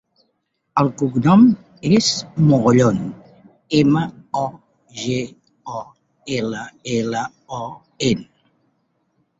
El cognom és Mogollon: ema, o, ge, o, ela, ela, o, ena.